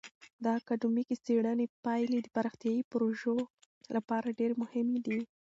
د اکادمیکې څیړنې پایلې د پراختیایي پروژو لپاره مهمې دي.